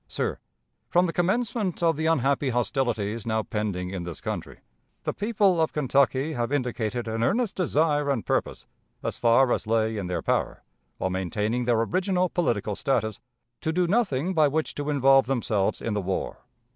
"Sir: From the commencement of the unhappy hostilities now pending in this country, the people of Kentucky have indicated an earnest desire and purpose, as far as lay in their power, while maintaining their original political status, to do nothing by which to involve themselves in the war.